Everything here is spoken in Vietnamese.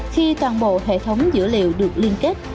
khi toàn bộ hệ thống dữ liệu được liên kết